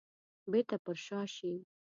بيرته پر شا شي.